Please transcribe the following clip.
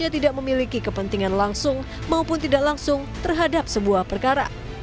tidak memiliki kepentingan langsung maupun tidak langsung terhadap sebuah perkara